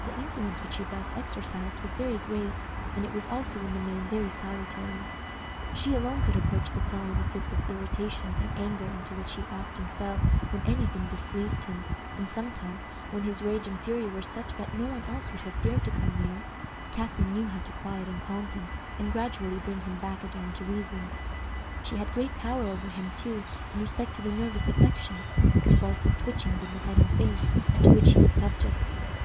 The influence which she thus exercised was very great, and it was also, in the main, very salutary. She alone could approach the Czar in the fits of irritation and anger into which he often fell when any thing displeased him, and sometimes, when his rage and fury were such, that no one else would have dared to come near, Catharine knew how to quiet and calm him, and gradually bring him back again to reason. She had great power over him, too, in respect to the nervous affection the convulsive twitchings of the head and face to which he was subject.